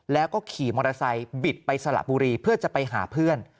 แล้วก็ขี่มอเตอร์ไซค์บิดไปสละบุรีเพื่อจะไปหาเพื่อน